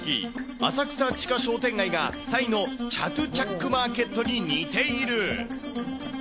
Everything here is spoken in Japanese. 浅草地下商店街が、タイのチャトゥチャック・マーケットに似ている。